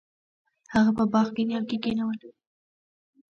هغه په باغ کې نیالګي کینول.